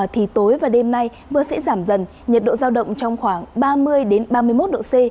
thì tối và đêm nay mưa sẽ giảm dần nhiệt độ giao động trong khoảng ba mươi ba mươi một độ c